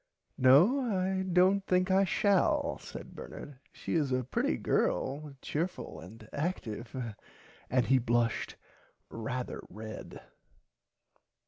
No I dont think I shall said Bernard she is a pretty girl cheerful and active. And he blushed rarther red.